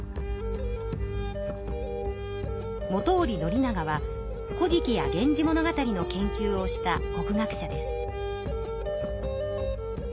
本居宣長は「古事記」や「源氏物語」の研究をした国学者です。